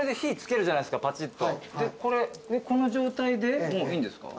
この状態でもういいんですか？